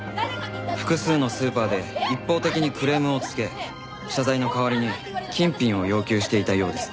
複数のスーパーで一方的にクレームをつけ謝罪の代わりに金品を要求していたようです。